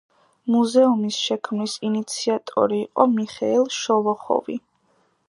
მუზეუმის შექმნის ინიციატორი იყო მიხეილ შოლოხოვი.